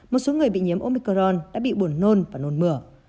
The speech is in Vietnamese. một số người bị nhiễm omicron đã bị buồn nôn và nôn mửa